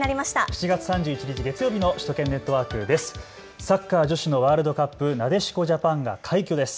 ７月３１日月曜日の首都圏ネットワークです。